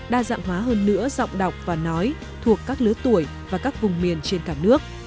đa dạng hóa hơn nữa giọng đọc và nói thuộc các lứa tuổi và các vùng miền trên cả nước